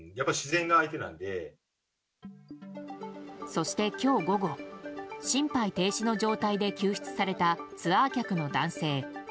そして今日午後心肺停止の状態で救出されたツアー客の男性。